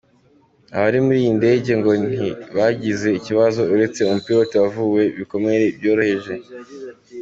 Abari muri iyi ndege ngo ntibagize ikibazo uretse umupilote wavuwe ibikomere byoroheje.